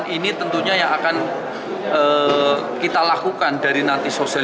itu denda maksimal ya pak ya